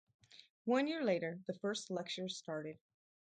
One year later the first lectures started.